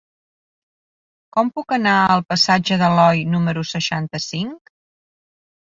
Com puc anar al passatge d'Aloi número seixanta-cinc?